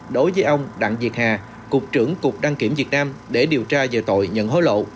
đối với ông đặng việt hà cục trưởng cục đăng kiểm việt nam để điều tra về tội nhận hối lộ